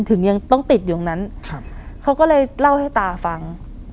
ถึงยังต้องติดอยู่ตรงนั้นครับเขาก็เลยเล่าให้ตาฟัง